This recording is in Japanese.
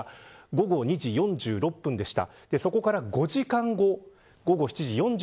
午後２時４６分でした。